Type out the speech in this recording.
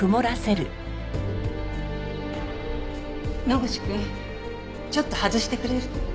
野口くんちょっと外してくれる？